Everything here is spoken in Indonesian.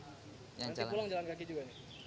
nanti pulang jalan kaki juga nih